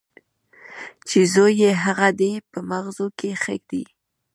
چې زوی یې هغه دی په مغزو کې ښه دی.